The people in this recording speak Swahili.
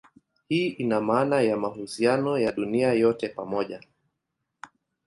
Hii ina maana ya mahusiano ya dunia yote pamoja.